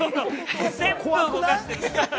全部動かしてる。